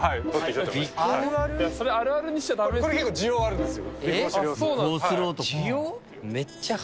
これ結構需要あるんですよ。